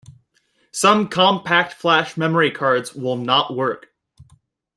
Some Compact Flash memory cards will not work.